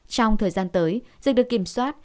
trong thời gian tới dịch được kiểm soát